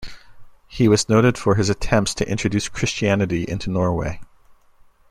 He was noted for his attempts to introduce Christianity into Norway.